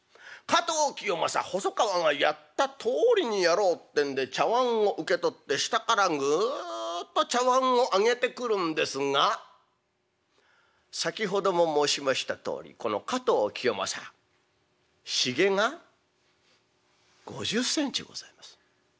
加藤清正細川がやったとおりにやろうってんで茶わんを受け取って下からぐっと茶わんを上げてくるんですが先ほども申しましたとおりこの加藤清正ひげが５０センチございます。